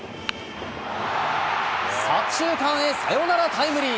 左中間へサヨナラタイムリー。